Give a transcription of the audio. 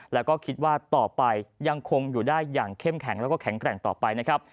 แล้วก็คิดว่าต่อไปยังคงอยู่ได้อย่างเข้มแข็งแล้วก็แข็งแกร่งต่อไปนะครับ